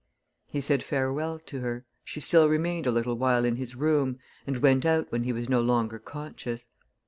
He said farewell to her; she still remained a little while in his room, and went out when he was no longer conscious.